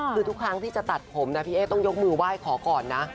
คือทุกครั้งที่จะตัดผมนะพี่เอ๊ต้องยกมือไหว้ขอก่อนนะ